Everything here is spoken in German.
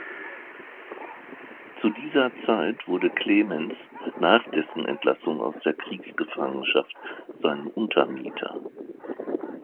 Zu dieser Zeit wurde Clemens, nach dessen Entlassung aus der Kriegsgefangenschaft, sein Untermieter.